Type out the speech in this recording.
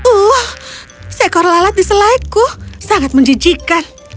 uh sekor lalat di selaiku sangat menjijikan